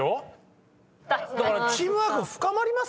だから。